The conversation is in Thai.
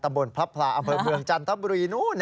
บนพระพลาอำเภอเมืองจันทบุรีนู้น